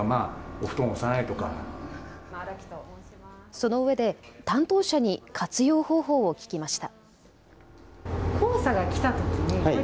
そのうえで担当者に活用方法を聞きました。